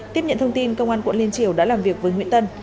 tiếp nhận thông tin công an quận liên triều đã làm việc với nguyễn tân